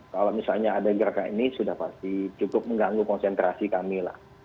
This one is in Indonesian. kalau misalnya ada gerakan ini sudah pasti cukup mengganggu konsentrasi kami lah